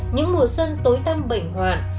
những mùa xuân tối tăm bệnh hoạn